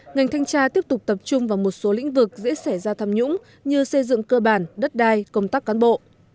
ngành thanh tra tiếp tục tập trung vào một số lĩnh vực dễ xảy ra tham nhũng như xây dựng cơ bản đất đai công tác cán bộ